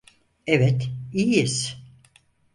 Evet, iyiyiz.